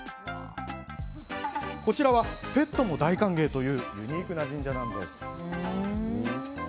こちらはペットも大歓迎というユニークな神社なんです。